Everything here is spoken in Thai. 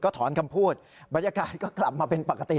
ถอนคำพูดบรรยากาศก็กลับมาเป็นปกติ